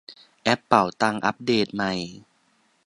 แอปเป๋าตังอัปเดตใหม่